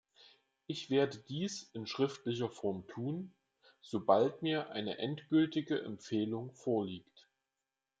Ich werde dies in schriftlicher Form tun, sobald mir eine endgültige Empfehlung vorliegt.